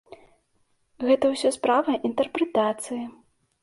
Гэта ўсё справа інтэрпрэтацыі.